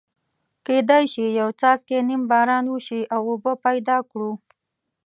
کېدای شي یو څاڅکی نیم باران وشي او اوبه پیدا کړو.